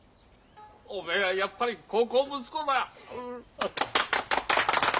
おめえはやっぱり孝行息子だ。